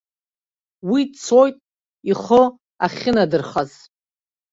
Уи дцоит ихы ахьынадырхаз.